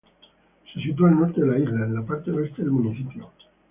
Se sitúa al norte de la isla, en la parte oeste del municipio.